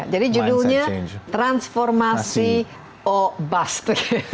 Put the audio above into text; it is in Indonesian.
jadi judulnya transformasi o bust